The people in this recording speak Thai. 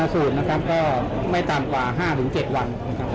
ธนสูตรนะครับก็ไม่ตามกว่า๕ถึง๗วัน